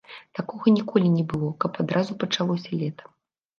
Такога ніколі не было, каб адразу пачалося лета.